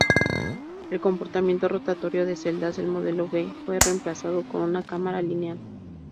El compartimento rotatorio de celdas del modelo B fue reemplazado con una cámara lineal.